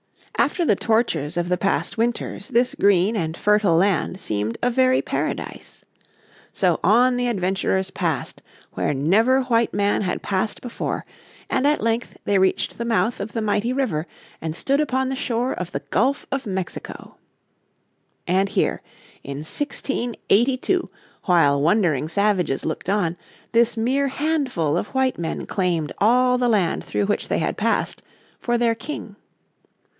After the tortures of the past winters this green and fertile land seemed a very paradise. So on the adventurers passed where never white man had passed before; and at length they reached the mouth of the mighty river and stood upon the shore of the Gulf of Mexico. And here, in 1682, while wondering savages looked on, this mere handful of white men claimed all the land through which they had passed for their King.